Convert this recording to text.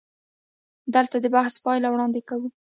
دلته د بحث پایله وړاندې کوو.